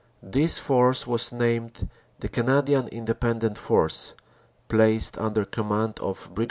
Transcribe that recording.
This force was named the Cana dian Independent Force, placed under command of Brig.